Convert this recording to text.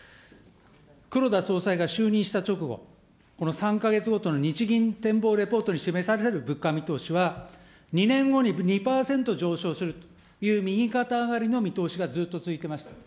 黒田総裁が就任した直後、この３か月ごとの日銀展望レポートに示される物価見通しは、２年後に２％上昇するという右肩上がりの見通しがずっと続いてました。